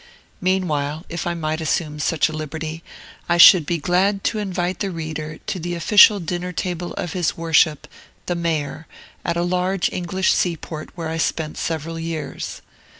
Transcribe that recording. Meanwhile, if I might assume such a liberty, I should be glad to invite the reader to the official dinner table of his Worship, the Mayor, at a large English seaport where I spent several years.